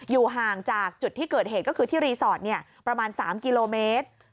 อยู่ห่างจากจุดที่เกิดเหตุก็คือที่รีสอร์ทประมาณ๓กิโลเมตร